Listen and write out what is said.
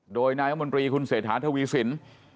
โดยนายมนตรีคุณเศรษฐาทวีสิน